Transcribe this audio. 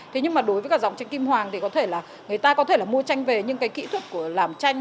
thế nhưng mà đối với cả dòng tranh kim hoàng thì có thể là người ta có thể là mua tranh về những cái kỹ thức của làm tranh